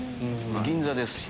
銀座ですし。